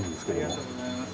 ありがとうございます。